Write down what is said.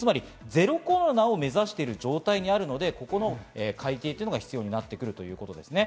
ゼロコロナを目指している状態にあるので、変えていく部分が必要になるということですね。